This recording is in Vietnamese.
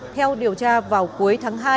theo điều tra vào cuối tháng hai